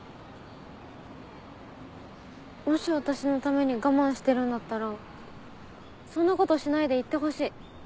もし私のために我慢してるんだったらそんなことしないで行ってほしい。